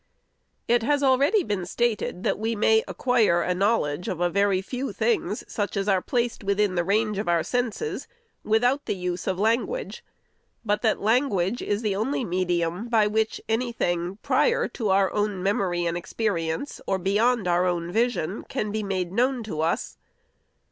It has been already stated, that we may acquire a knowledge of a very few things, — such as are placed within the range of our senses, — without the use of language ; but that language is the only medium by which any thing, prior to our own memory and expe SECOND ANNUAL REPORT. 533 rience, or beyond our own vision, can be made known to us.